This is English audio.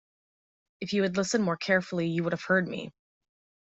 If you had listened more carefully, you would have heard me.